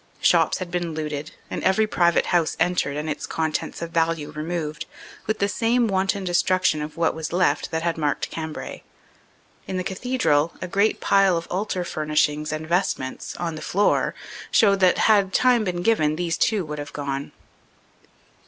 Shops had been looted and every private house entered and its contents of value removed, with the same wan ton destruction of what was left that had marked Cambrai. In the cathedral, a great pile of altar furnishings and vest ments on the floor showed that had time been given these too would have gone.